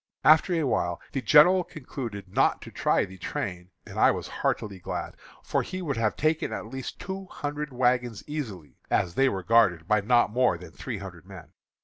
"After a while the general concluded not to try the train, and I was heartily glad, for he would have taken at least two hundred wagons easily, as they were guarded by not more than three hundred men.